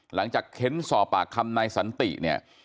หลังจากเข็นสอบปากคำนายสันติเนี่ย